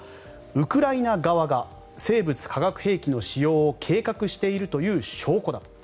ウクライナ側が生物・化学兵器の使用を計画しているという証拠だと。